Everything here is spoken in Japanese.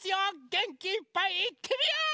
げんきいっぱいいってみよ！